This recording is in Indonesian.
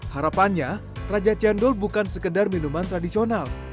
harapannya raja cendol bukan sekedar minum cendol